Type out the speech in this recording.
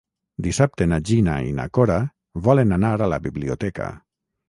Dissabte na Gina i na Cora volen anar a la biblioteca.